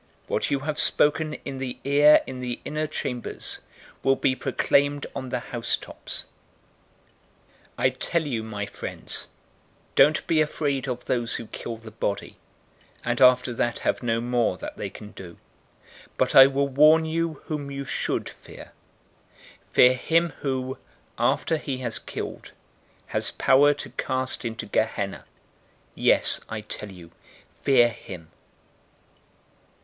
What you have spoken in the ear in the inner chambers will be proclaimed on the housetops. 012:004 "I tell you, my friends, don't be afraid of those who kill the body, and after that have no more that they can do. 012:005 But I will warn you whom you should fear. Fear him, who after he has killed, has power to cast into Gehenna.{or, Hell} Yes, I tell you, fear him.